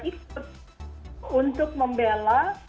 itu untuk membela